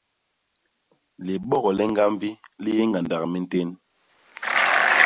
Libok li ñgambi li yé ñgandak mintén.